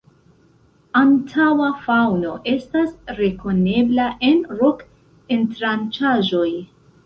Antaŭa faŭno estas rekonebla en rok-entranĉaĵoj.